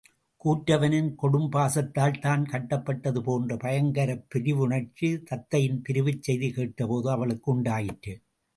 கூற்றுவனின் கொடும்பாசத்தால் தான் கட்டப்பட்டது போன்ற பயங்கரப் பிரிவுணர்ச்சி தத்தையின் பிரிவுச் செய்தி கேட்டபோது அவளுக்கு உண்டாயிற்று.